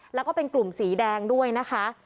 แล้วก็เป็นกลุ่มสีแดงด้วยนะคะ